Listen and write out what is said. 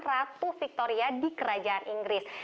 ratu victoria di kerajaan inggris